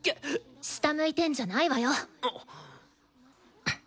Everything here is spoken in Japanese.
下向いてんじゃないわよ。